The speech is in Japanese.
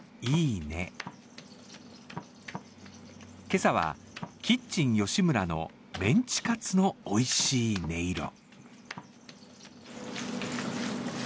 今朝はキッチンよしむらのメンチカツのおいしい音色。